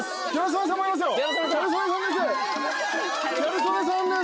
ギャル曽根さんです。